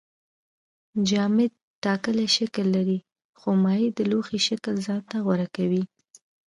جامد ټاکلی شکل لري خو مایع د لوښي شکل ځان ته غوره کوي